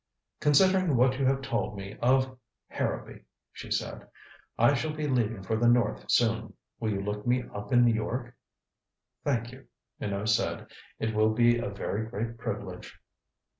"Considering what you have told me of Harrowby," she said, "I shall be leaving for the north soon. Will you look me up in New York?" "Thank you," Minot said. "It will be a very great privilege."